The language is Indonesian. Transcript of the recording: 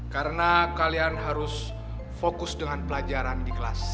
karena kalian harus fokus dengan pelajaran di kelas